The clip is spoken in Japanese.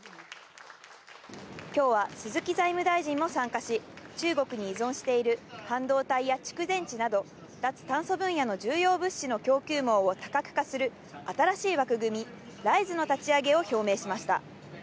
きょうは鈴木財務大臣も参加し、中国に依存している半導体や蓄電池など、脱炭素分野の重要物資の供給網を多角化する新しい枠組み、ＲＩＳＥの立ち上げを表明しました。